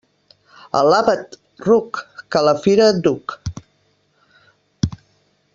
Alaba't, ruc, que a la fira et duc.